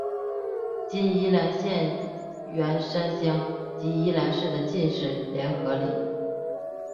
今宜兰县员山乡及宜兰市的进士联合里。